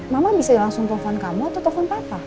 mama bisa langsung telepon kamu atau telepon papa